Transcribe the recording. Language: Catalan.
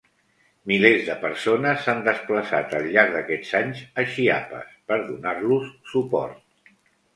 Milers de persones s'han desplaçat al llarg d'aquests anys a Chiapas per donar-los suport.